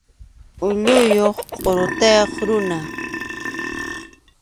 Ulluyuq qʼurutayuq runa.